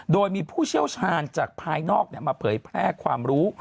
โดยมีผู้เชี่ยวชาญจากภายนอกมาเผยแพร่ความรู้